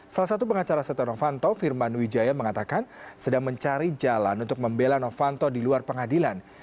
salah satu pengacara setia novanto firman wijaya mengatakan sedang mencari jalan untuk membela novanto di luar pengadilan